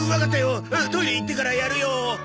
トイレ行ってからやるよ。